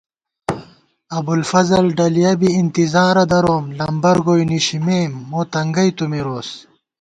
ابُوالفضل ڈَلِیَہ بی، انتِظارہ دروم * لمبر گوئی نِشِمېم ، مو تنگَئی تُو مِروس